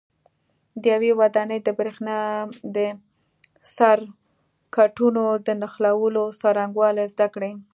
د یوې ودانۍ د برېښنا د سرکټونو د نښلولو څرنګوالي زده کړئ.